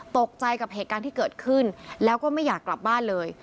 ตกใจกับเหตุการณ์ที่เกิดขึ้นแล้วก็ไม่อยากกลับบ้านเลย